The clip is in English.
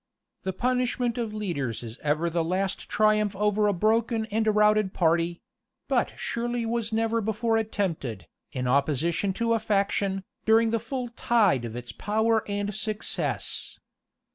The punishment of leaders is ever the last triumph over a broken and routed party; but surely was never before attempted, in opposition to a faction, during the full tide of its power and success.